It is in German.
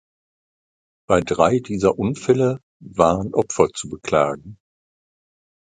Bei drei dieser Unfälle waren Opfer zu beklagen.